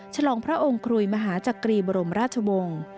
ฉลองพระองค์กรุยมหาจักรีบรมราชวงศ์